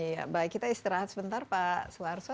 ya baik kita istirahat sebentar pak suarso